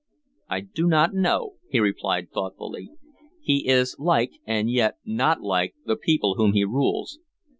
"I do not know," he replied thoughtfully. "He is like, and yet not like, the people whom he rules.